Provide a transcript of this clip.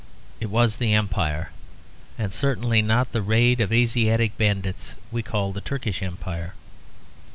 It was the Empire. And certainly not the raid of Asiatic bandits we call the Turkish Empire.